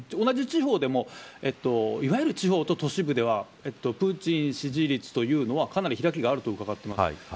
同じ地方でもいわゆる地方と都市部ではプーチン支持率というのはかなり開きがあると伺ってます。